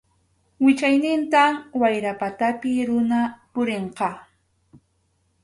Wichaynintam wayra patapi runa purinqa.